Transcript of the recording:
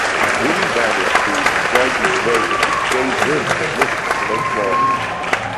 Willy Vandersteen enjoyed these versions and gave him permission to make more.